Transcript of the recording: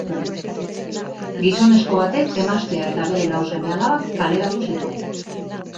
Gizonezko batek emaztea eta bere lau seme-alabak kaleratu zituen.